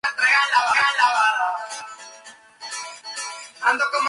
El cuerpo fructífero aflora de verano a otoño y es bastante frecuente.